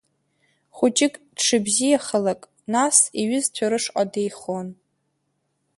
Хәыҷык дшыбзиахалак, нас иҩызцәа рышҟа деихон.